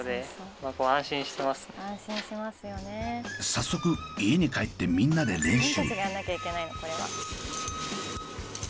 早速家に帰ってみんなで練習。